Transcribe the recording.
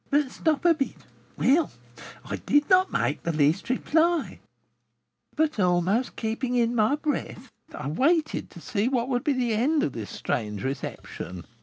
But stop a bit. Well, I did not make the least reply, but, almost keeping in my breath, I waited to see what would be the end of this strange reception.